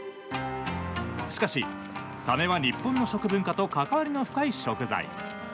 しかし、サメは日本の食文化と関わりの深い食材。